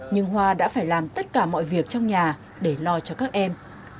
nhưng hoa đã phải làm tất cả mọi việc trong nhà để lo cho các em